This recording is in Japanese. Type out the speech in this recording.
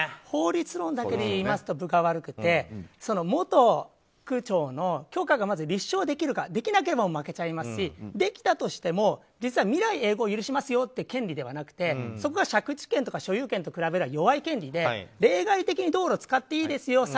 法律論だけでいいますと分が悪くて、元区長の許可がまず立証できるかできなければ負けちゃいますしできたとしても実は未来永劫許しますよという権利ではなくてそこが借地権とか所有権と比べれば弱い権利で例外として道路を使っていいですよ